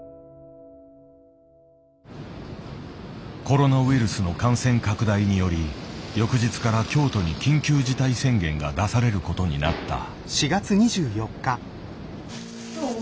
コロナウイルスの感染拡大により翌日から京都に緊急事態宣言が出されることになった。